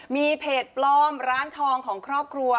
มีเพจปลอมร้านทองของครอบครัว